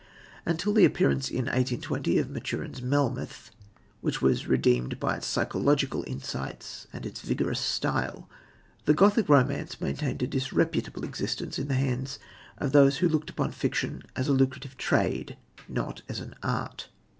Until the appearance in 1820 of Maturin's Melmoth, which was redeemed by its psychological insight and its vigorous style, the Gothic romance maintained a disreputable existence in the hands of those who looked upon fiction as a lucrative trade, not as an art.